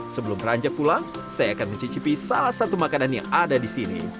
sebelum ranjak pulang saya akan mencicipi salah satu makanan yang ada di sini